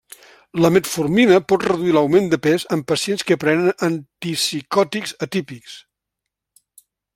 La metformina pot reduir l'augment de pes en pacients que prenen antipsicòtics atípics.